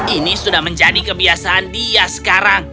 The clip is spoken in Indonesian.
ini sudah menjadi kebiasaan dia sekarang